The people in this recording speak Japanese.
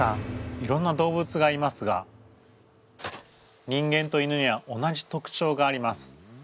いろんな動物がいますが人間と犬には同じ特徴があります。